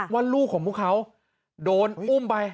ว่าลูกของพวกเขาโดนอุ้มไป